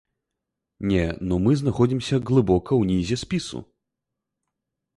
Не, ну мы знаходзімся глыбока ўнізе спісу.